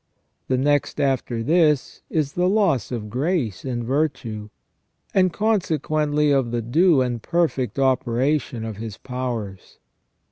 The next after this is the loss of grace and virtue, and consequently of the due and perfect operation of his powers.